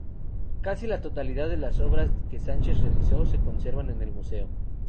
Casi la totalidad de las obras que Sánchez realizó se conservan en el Museo.